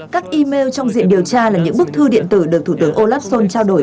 các email trong diện điều tra là những bức thư điện tử được thủ tướng olaf schol trao đổi